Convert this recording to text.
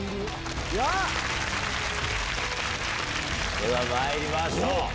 ではまいりましょう。